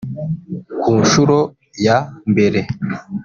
ku nshuro ya mbere